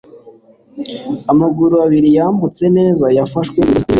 amaguru abiri yambutse neza yafashwe mumigozi miremire